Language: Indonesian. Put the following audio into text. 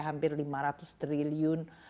hampir lima ratus triliun